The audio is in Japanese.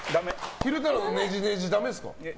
昼太郎のねじねじダメですか？